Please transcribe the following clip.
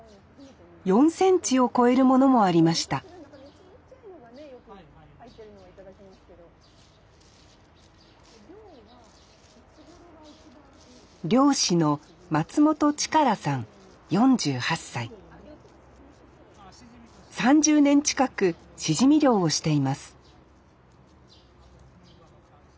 ４センチを超えるものもありました漁師の３０年近くしじみ漁をしています